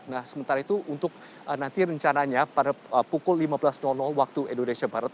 nah sementara itu untuk nanti rencananya pada pukul lima belas waktu indonesia barat